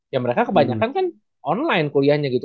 ya mereka kebanyakan kan online kuliahnya gitu